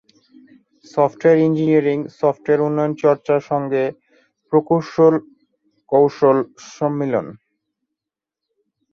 Software engineering software উন্নয়ন চর্চা সঙ্গে প্রকৌশল কৌশল সম্মিলান।